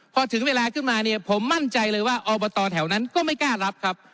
พอถึงเวลาขึ้นมาเนี่ยผมมั่นใจเลยว่าอบตแถวนั้นก็ไม่กล้ารับครับ